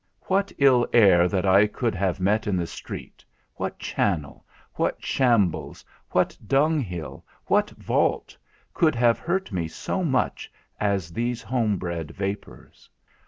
What ill air that I could have met in the street, what channel, what shambles, what dunghill, what vault, could have hurt me so much as these homebred vapours?